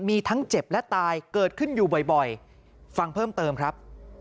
มีทั้งเจ็บและตายเกิดขึ้นอยู่บ่อยฟังเพิ่มเติมครับ